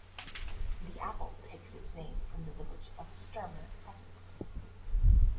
The apple takes its name from the village of Sturmer, Essex.